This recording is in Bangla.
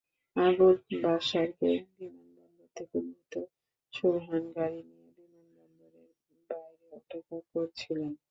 আবুল বাশারকে বিমানবন্দর থেকে নিতে সোবহান গাড়ি নিয়ে বিমানবন্দরের বাইরে অপেক্ষা করছিলেন।